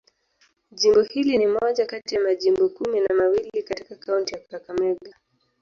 Jimbo hili ni moja kati ya majimbo kumi na mawili katika kaunti ya Kakamega.